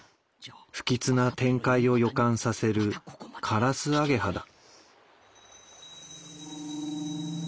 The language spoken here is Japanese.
不吉な展開を予感させるカラスアゲハだ。